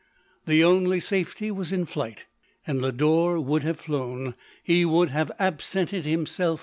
The only safety was in flight ;— and Lodore would have flown — he would have absented himself 166 LODORE.